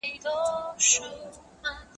زه سندري نه اورم!!